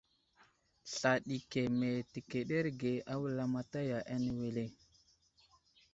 Sla ɗi keme təkeɗerge a wulamataya ane wele.